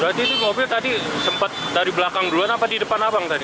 berarti ini mobil tadi sempat dari belakang duluan apa di depan abang tadi